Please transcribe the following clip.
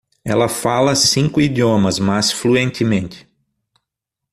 Ela fala cinco idiomas, mas fluentemente.